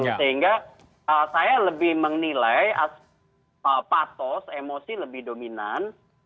sehingga saya lebih menilai patos emosi lebih dominan